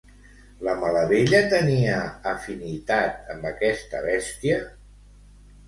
La Malavella tenia afinitat amb aquesta bèstia?